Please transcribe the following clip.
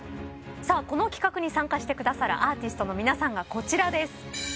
この企画に参加してくださるアーティストの皆さんがこちらです。